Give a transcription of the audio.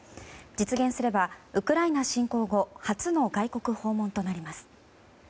実現すればウクライナ侵攻後初の外国訪問となります。